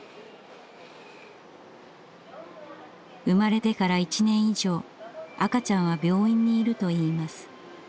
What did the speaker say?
生まれてから１年以上赤ちゃんは病院にいるといいます。